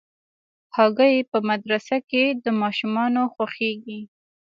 هګۍ په مدرسه کې د ماشومانو خوښېږي.